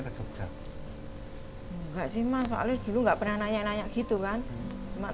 enggak sih mas soalnya dulu nggak pernah nanya nanya gitu kan